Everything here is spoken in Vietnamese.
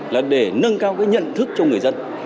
là để nâng cao cái nhận thức cho người dân